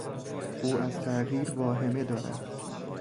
او از تغییر واهمه دارد.